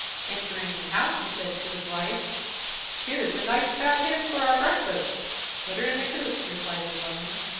Entering the house, he said to his wife: "'Here is a nice, fat hen for our breakfast.' "'Put her in the coop,' replied the woman.